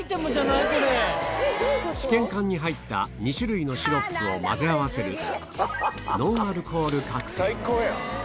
試験管に入った２種類のシロップを混ぜ合わせるノンアルコールカクテル